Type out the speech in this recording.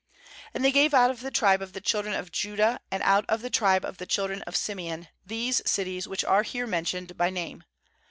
9And they gave out of the tribe of the children of Judah, and out of the tribe of the children of Simeon, these cities which are here mentioned by name.